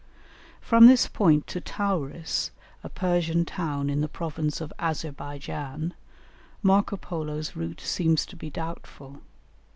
From this point to Tauris, a Persian town in the province of Adzer baidjan, Marco Polo's route seems to be doubtful.